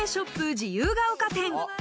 自由が丘店。